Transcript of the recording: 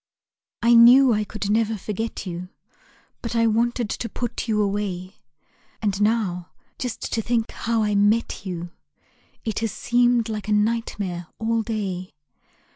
I knew I could never forget you; But I wanted to put you away. And now, just to think how I met you It has seemed like a nightmare all day.